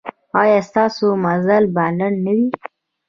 ایا ستاسو مزل به لنډ نه وي؟